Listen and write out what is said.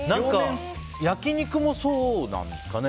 焼き肉もそうなんですかね。